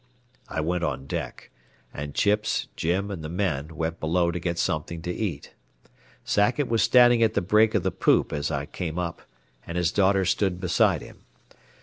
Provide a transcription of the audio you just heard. I went on deck, and Chips, Jim, and the men went below to get something to eat. Sackett was standing at the break of the poop as I came up, and his daughter stood beside him.